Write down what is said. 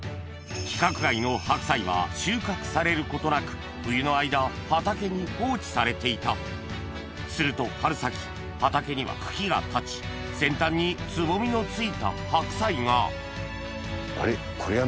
規格外の白菜は収穫されることなく冬の間畑に放置されていたすると春先畑には茎が立ち先端に蕾のついた白菜があれっ？